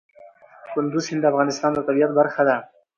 کندز سیند د افغانستان د طبیعت برخه ده.